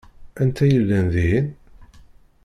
Anta i yellan dihin?